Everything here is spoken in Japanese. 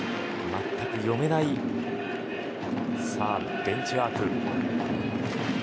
全く読めないベンチワーク。